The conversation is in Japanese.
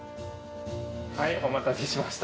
はいお待たせしました。